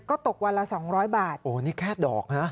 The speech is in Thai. ก็ตกวันละสองร้อยบาทโอ้นี่แค่ดอกนะ